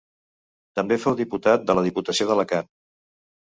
També fou diputat de la Diputació d'Alacant.